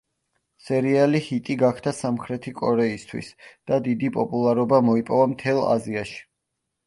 სერიალი ჰიტი გახდა სამხრეთი კორეისთვის და დიდი პოპულარობა მოიპოვა მთელ აზიაში.